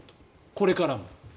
これから。